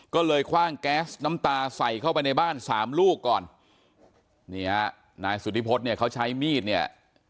ก็เลยคว่างแก๊สน้ำตาใส่เข้าไปในบ้านสามลูกก่อนนี่ฮะนายสุธิพฤษเนี่ยเขาใช้มีดเนี่ย